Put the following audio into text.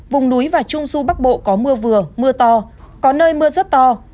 vùng núi và trung du bắc bộ có mưa vừa mưa to có nơi mưa rất to